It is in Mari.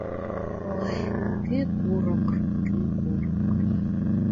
Ой, кӱ курык, кӱ курык